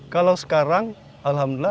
kalau sekarang alhamdulillah